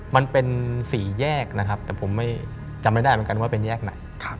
มันเป็นสี่แยกนะครับแต่ผมจำไม่ได้เหมือนกันว่าเป็นแยกไหน